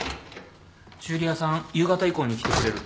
修理屋さん夕方以降に来てくれるってさ。